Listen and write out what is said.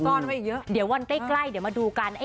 ซ่อนไว้เยอะเดี๋ยววันใกล้เดี๋ยวมาดูกัน